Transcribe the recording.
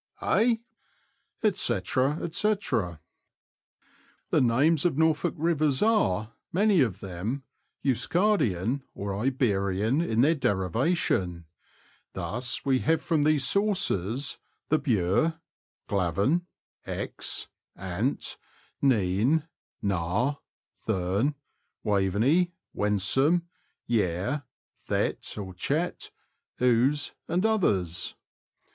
Eh?" &c., &c. The names of Norfolk rivers are, many of them, Euskardian or Iberian in their derivation ; thus, we have from these sources the Bure, Glaven, Exe, Ant, Nene, Nar, Thurne, Waveney, Wensum, Yare, Thet or Chet, Ouse, and others.